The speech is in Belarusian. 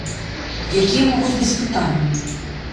Якія могуць быць пытанні?